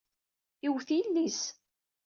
Iwet yelli-s.